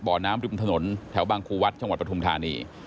บ่อน้ำดิบนถนนแถวบางคู่วัดชปฐุมธานี